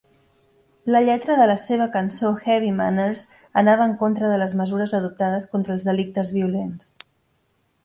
La lletra de la seva cançó "Heavy Manners" anava en contra de les mesures adoptades contra els delictes violents.